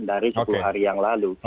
dari sepuluh hari yang lalu